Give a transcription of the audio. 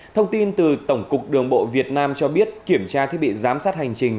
thông tin từ tổng cục đường bộ việt nam cho biết kiểm tra thiết bị giám sát hành trình